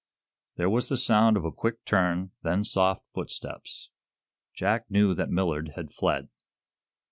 There was the sound of a quick turn, then soft footsteps. Jack knew that Millard had fled.